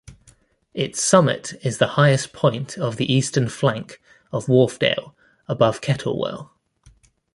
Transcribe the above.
Its summit is the highest point of the eastern flank of Wharfedale above Kettlewell.